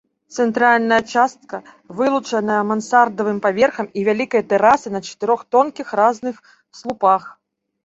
Цэнтральная частка вылучаная мансардавым паверхам і вялікай тэрасай на чатырох тонкіх разных слупах.